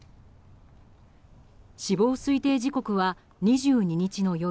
死亡推定時刻は２２日の夜。